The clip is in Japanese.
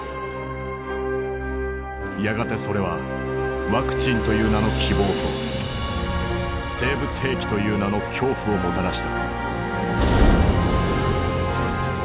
やがてそれはワクチンという名の希望と生物兵器という名の恐怖をもたらした。